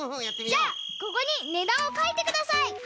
じゃあここにねだんをかいてください。